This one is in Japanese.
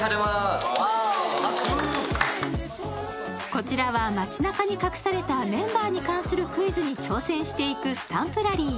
こちらは街中に隠されたメンバーに関するクイズに挑戦するスタンプラリー。